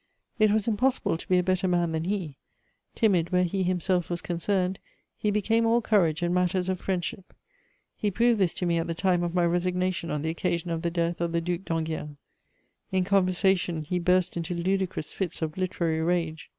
It was impossible to be a better man than he: timid where he himself was concerned, he became all courage in matters of friendship; he proved this to me at the time of my resignation on the occasion of the death of the Duc d'Enghien. In conversation, he burst into ludicrous fits of literary rage.